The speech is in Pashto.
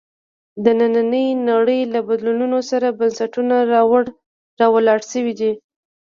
د نننۍ نړۍ له بدلونونو سره بنسټونه راولاړ شوي دي.